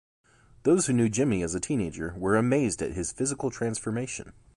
Those who knew Jimmy as a teenager were amazed at his physical transformation.